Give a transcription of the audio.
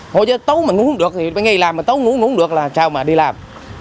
thôi chứ tối mà ngủ không được thì ngày làm mà tối ngủ không được là chào mà đi làm